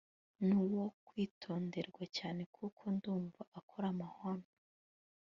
nuwo kwitonderwa cyane kuko ndumva akora amahano